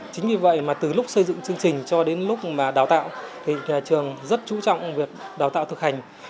chính vì vậy mà từ lúc xây dựng chương trình cho đến lúc mà đào tạo thì nhà trường rất chú trọng việc đào tạo thực hành